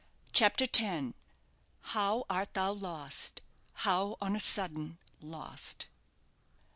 CHAPTER X. "HOW ART THOU LOST! HOW ON A SUDDEN LOST!"